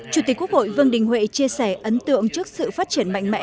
chủ tịch quốc hội vương đình huệ chia sẻ ấn tượng trước sự phát triển mạnh mẽ